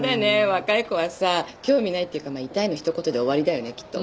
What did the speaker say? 若い子はさ興味ないっていうか痛いの一言で終わりだよねきっと。